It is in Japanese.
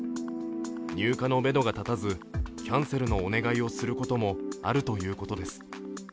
入荷のめどが立たずキャンセルのお願いをすることもあるということです。